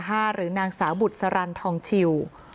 หรือนางสาวบุษรันทองชิว